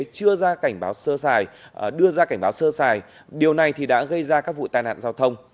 chưa ra cảnh báo sơ xài đưa ra cảnh báo sơ xài điều này thì đã gây ra các vụ tai nạn giao thông